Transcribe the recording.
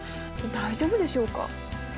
大丈夫でしょうか？